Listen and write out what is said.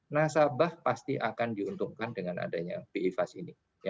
nasabah pasti akan diuntungkan dengan adanya bi fast ini